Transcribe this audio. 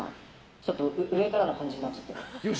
ちょっと、上からな感じになっちゃって。